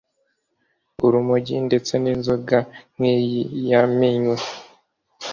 urumogi ndetse n’inzoga nk’iyi yamenwe